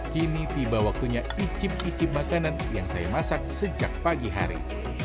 kini tiba waktunya icip icip makanan yang saya masak sejak pagi hari